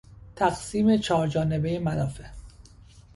تقسیم چهارجانبهی منافع